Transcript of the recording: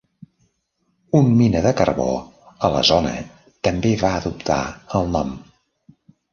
Un mina de carbó a la zona també va adoptar el nom.